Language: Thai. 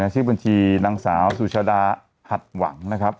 ชื่อบัญชีนางสาวสุชาดาหัดหวังนะครับ